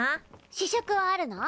試食はあるの？